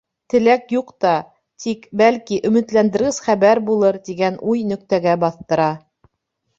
Теләк юҡ та, тик... бәлки, өмөтләндергес хәбәр булыр, тигән уй нөктәгә баҫтыра.